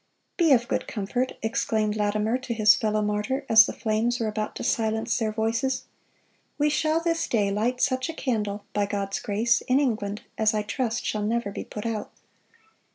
"Be of good comfort," exclaimed Latimer to his fellow martyr as the flames were about to silence their voices, "we shall this day light such a candle, by God's grace, in England, as I trust shall never be put out."